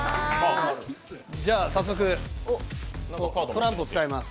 じゃあ早速トランプを使います。